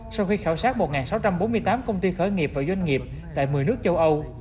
sau khi khảo sát một sáu trăm bốn mươi tám công ty khởi nghiệp và doanh nghiệp tại một mươi nước châu âu